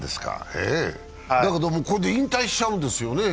だけど、ここで引退しちゃうんですよね。